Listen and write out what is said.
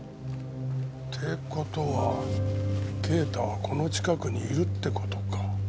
って事は啓太はこの近くにいるって事か。